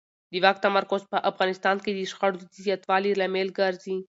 د واک تمرکز په افغانستان کې د شخړو د زیاتوالي لامل ګرځي